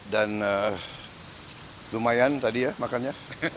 dan lumayan tadi ya makannya